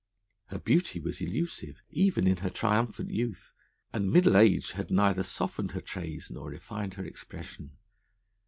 Her beauty was elusive even in her triumphant youth, and middle age had neither softened her traits nor refined her expression.